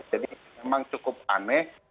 jadi memang cukup aneh